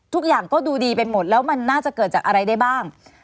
ทุกอย่างก็ดูดีไปหมดแล้วมันน่าจะเกิดจากอะไรได้บ้าง